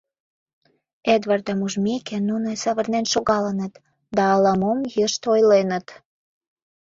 Эдвардым ужмеке, нуно савырнен шогалыныт да ала-мом йышт ойленыт.